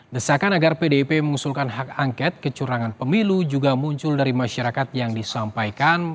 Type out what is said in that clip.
desakan agar pdip mengusulkan hak angket kecurangan pemilu juga muncul dari masyarakat yang disampaikan